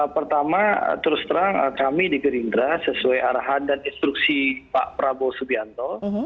pertama terus terang kami di gerindra sesuai arahan dan instruksi pak prabowo subianto